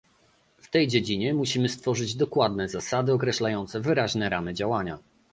W tej dziedzinie musimy stworzyć dokładne zasady określające wyraźne ramy działania